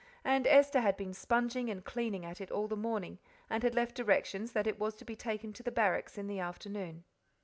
And Esther had been sponging and cleaning at it all the morning, and had left directions that it was to be taken to the Barracks in the afternoon.